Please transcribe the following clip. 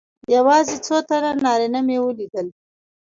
یوازې څو تنه نارینه مې ولیدل.